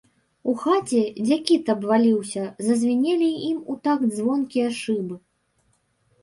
У хаце, дзе кіт абваліўся, зазвінелі ім у такт звонкія шыбы.